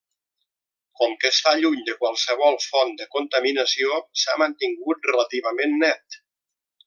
Com que està lluny de qualsevol font de contaminació, s'ha mantingut relativament net.